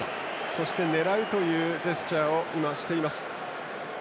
そして狙うというジェスチャーをしています。